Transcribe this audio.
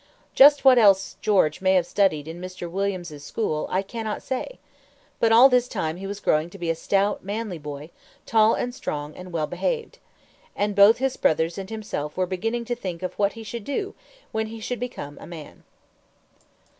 Just what else George may have studied in Mr. Williams's school I cannot say. But all this time he was growing to be a stout, manly boy, tall and strong, and well behaved. And both his brothers and himself were beginning to think of what he should do when he should become a man.